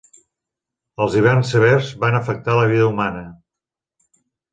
Els hiverns severs van afectar la vida humana.